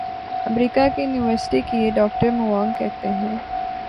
امریکہ کی یونیورسٹی کیے doctor Mwang کہتے ہیں